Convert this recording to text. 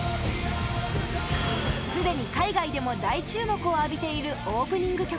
すでに海外でも大注目を浴びているオープニング曲